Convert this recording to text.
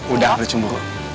udah gak perlu cemburu